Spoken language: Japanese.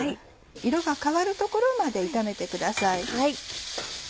色が変わるところまで炒めてください。